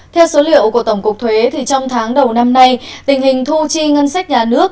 theo số liệu của tổng cục thuế trong tháng đầu năm nay tình hình thu chi ngân sách nhà nước